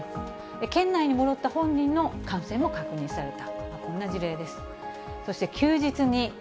県内に戻った本人の感染も確認された。